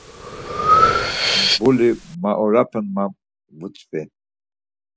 Mbuli maoropen ma vutzvi.